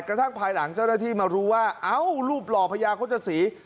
กระทั่งภายหลังเจ้าหน้าที่มารู้ว่าเอ้ารูปหล่อพญาโฆษศรี